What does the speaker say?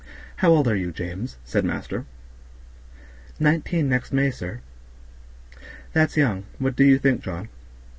"How old are you, James?" said master. "Nineteen next May, sir." "That's young; what do you think, John?"